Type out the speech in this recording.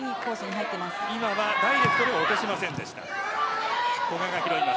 今はダイレクトで落としませんでした。